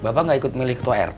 bapak gak ikut milih ketua rt